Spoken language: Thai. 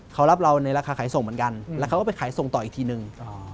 เขารับเราในราคาขายส่งเหมือนกันแล้วเขาก็ไปขายส่งต่ออีกทีนึง